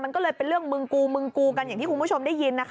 มันก็เลยเป็นเรื่องมึงกูมึงกูกันอย่างที่คุณผู้ชมได้ยินนะคะ